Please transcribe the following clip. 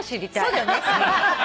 そうだよね。